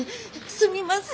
すみません。